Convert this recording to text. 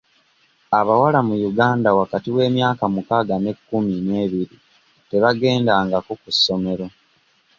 Abawala mu Uganda wakati w'emyaka mukaaga n'ekkumi n'ebiri tebagendangako ku ssomero.